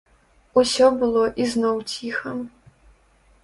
Усё было ізноў ціха.